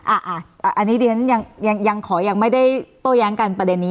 อันนี้ดิฉันยังขอยังไม่ได้โต้แย้งกันประเด็นนี้